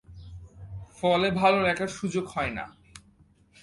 ফলে ভালো লেখার সুযোগ হয় না।